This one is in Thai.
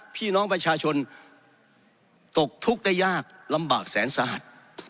พี่น้องประชาชนตกทุกข์ได้ยากลำบากแสนสาหัส